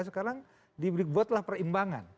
sekarang dibuatlah perimbangan